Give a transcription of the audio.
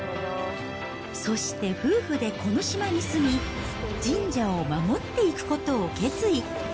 そして夫婦でこの島に住み、神社を守っていくことを決意。